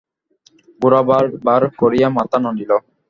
গোরা বার বার করিয়া মাথা নাড়িল।